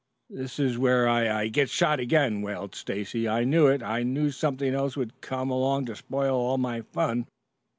"This is where I I get shot again," wailed Stacy. "I knew it. I knew something else would come along to spoil all my fun!"